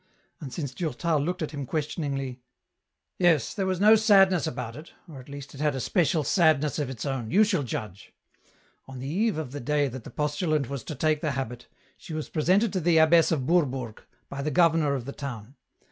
And since Durtal looked at him questioningly —" Yes, there was no sadness about it, or at least it had a special sadness of its own ; you shall judge. On the eve of the day that the postulant was to take the habit, she was presented to the abbess of Bourbourg by the governor of the town.